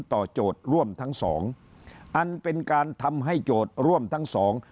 โจทย์ร่วมทั้งสองอันเป็นการทำให้โจทย์ร่วมทั้งสอง